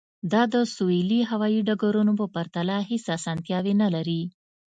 دا د سویلي هوایی ډګرونو په پرتله هیڅ اسانتیاوې نلري